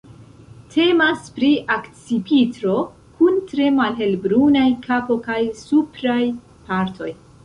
Temas pri akcipitro kun tre malhelbrunaj kapo kaj supraj partoj.